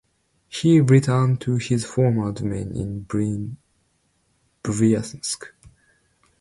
He returned to his former domain in Bryansk.